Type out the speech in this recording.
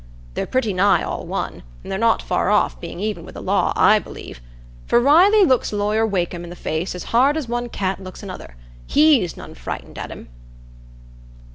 They're pretty nigh all one, and they're not far off being even wi' the law, I believe; for Riley looks Lawyer Wakem i' the face as hard as one cat looks another. He's none frightened at him."